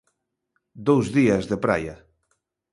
Dous días de praia.